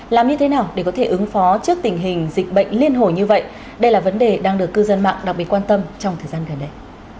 làm như thế nào để có thể ứng phó trước tình hình dịch bệnh liên hồ như vậy đây là vấn đề đang được cư dân mạng đặc biệt quan tâm trong thời gian gần đây